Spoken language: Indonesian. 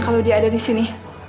kalau dia ada disini